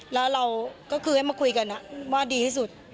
แล้วเราก็คือให้มาคุยกันว่าดีที่สุด